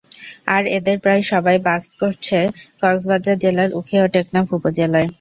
আর এদের প্রায় সবাই বাস করছে কক্সবাজার জেলার উখিয়া ও টেকনাফ উপজেলায়।